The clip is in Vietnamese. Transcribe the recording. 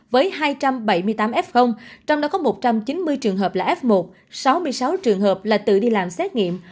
với hai trăm bảy mươi tám f trong đó có một trăm chín mươi trường hợp là f một sáu mươi sáu trường hợp là tự đi làm xét nghiệm